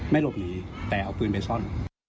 หลบหนีแต่เอาปืนไปซ่อน